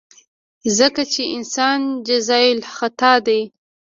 ځکه چې انسان جايزالخطا ديه.